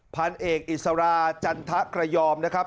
พันเอกอิสราจันทะกระยอมนะครับ